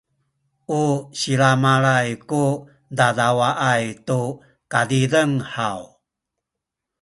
u silamalay ku dadawaay tu kazizeng haw?